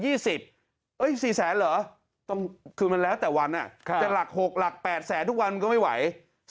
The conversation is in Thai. เฮ้ย๔๐๐หรอคือมันแล้วแต่วันอ่ะจะหลัก๖หลัก๘๐๐ทุกวันก็ไม่ไหว